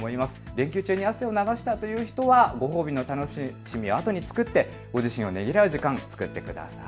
連休中に汗を流したという人はご褒美の楽しみをあとに作ってご自身をねぎらう時間、作ってください。